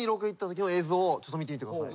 ちょっと見てください。